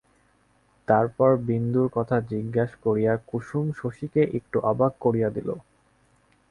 তারপর বিন্দুর কথা জিজ্ঞাসা করিয়া কুসুম শশীকে একটু অবাক করিয়া দিল।